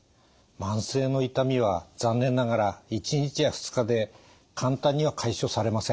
慢性の痛みは残念ながら１日や２日で簡単には解消されません。